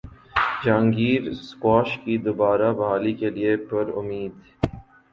Jahangir squash کی دوبارہ بحالی کیلئے پرامید